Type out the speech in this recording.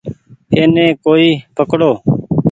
ايني ڪوئي پڪڙو ۔